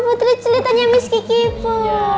putri saya tanya miss kiki bu